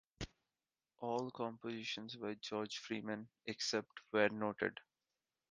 All compositions by George Freeman except where noted